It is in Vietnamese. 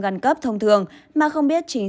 gan cấp thông thường mà không biết chính